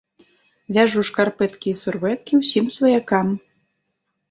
Вяжу шкарпэткі і сурвэткі ўсім сваякам.